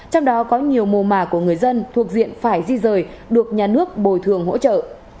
trong đó có nhiều mô mà của người dân thuộc diện phải di rời được nhà nước bồi thường hỗ trợ